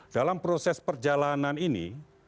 dalam proses perjalanan ini